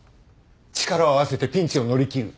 力を合わせてピンチを乗り切る。